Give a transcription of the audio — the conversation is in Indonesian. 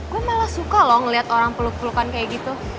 gue malah suka loh ngeliat orang peluk pelukan kayak gitu